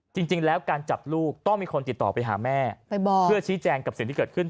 จริงแล้วการจับลูกต้องมีคนติดต่อไปหาแม่เพื่อชี้แจงกับสิ่งที่เกิดขึ้น